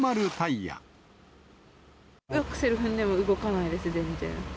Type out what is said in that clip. アクセル踏んでも動かないです、全然。